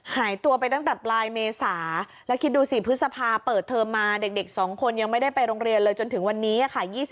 หายตัวไปตั้งแต่ปลายเมษาแล้วคิดดูสิพฤษภาเปิดเทอมมาเด็ก๒คนยังไม่ได้ไปโรงเรียนเลยจนถึงวันนี้ค่ะ